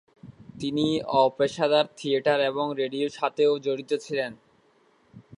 তিনি অপেশাদার থিয়েটার এবং রেডিওর সাথেও জড়িত ছিলেন।